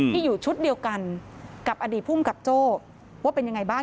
ที่อยู่ชุดเดียวกันกับอดีตภูมิกับโจ้ว่าเป็นยังไงบ้าง